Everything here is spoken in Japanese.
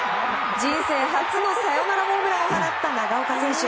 人生初のサヨナラホームランを放った長岡選手。